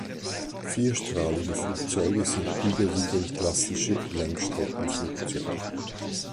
Vierstrahlige Flugzeuge sind überwiegend klassische Langstreckenflugzeuge.